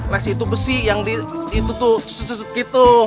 les itu besi yang di itu tuh susut gitu